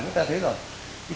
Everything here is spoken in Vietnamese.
chúng ta thấy rồi